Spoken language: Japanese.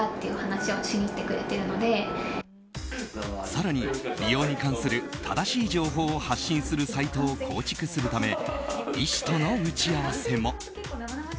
更に、美容に関する正しい情報を発信するサイトを構築するため医師との打ち合わせも。